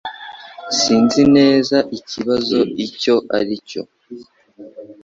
Sinzi neza ikibazo icyo ari cyo.